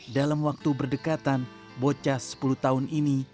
dalam waktu berdekatan bocah sepuluh tahun ini